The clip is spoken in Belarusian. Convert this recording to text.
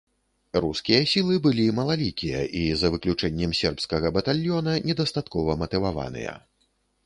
Рускія сілы былі малалікія і, за выключэннем сербскага батальёна, недастаткова матываваныя.